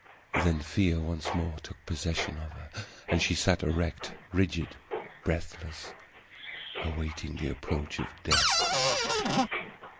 Then fear once more took possession of her, and she sat erect, rigid, breathless, awaiting the approach of Death.